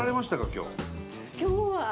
今日。